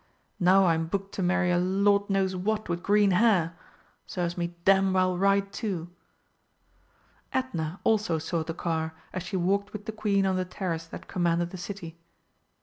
Now I'm booked to marry a Lord knows what with green hair. Serves me damned well right too!" Edna also saw the car as she walked with the Queen on the terrace that commanded the City.